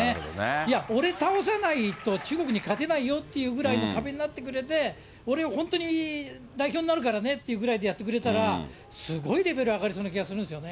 いや、俺倒さないと中国に勝てないよっていうぐらいの壁になってくれて、俺、本当に代表になるからねってぐらいでやってくれたら、すごいレベル上がりそうな気がするんですよね。